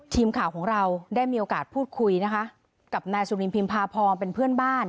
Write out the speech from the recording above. ทีมข่าวของเราได้มีโอกาสพูดคุยนะคะกับนายสุรินพิมพาพรเป็นเพื่อนบ้าน